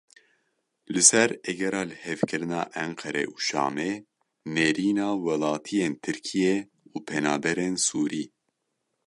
Li ser egera lihevkirina Enqere û Şamê nêrîna welatiyên Tirkiyê û penaberên Sûrî.